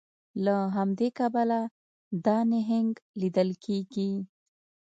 له همدې کبله دا نهنګ لیدل کیږي